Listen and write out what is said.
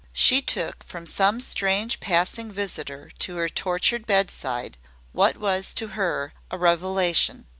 She took from some strange passing visitor to her tortured bedside what was to her a revelation.